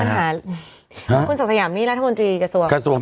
ปัญหาคุณศักดิ์สยามนี่รัฐมนตรีกระทรวงคม